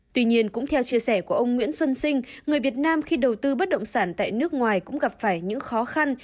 tuy nhiên cũng theo chia sẻ của ông nguyễn xuân sinh người việt nam khi đầu tư bất động sản tại nước ngoài cũng gặp phải những khó khăn